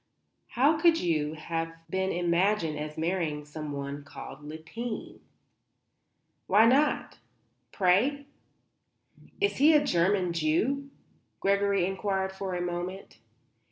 "How could you have been imagined as marrying someone called Lippheim?" "Why not, pray?" "Is he a German Jew?" Gregory inquired after a moment.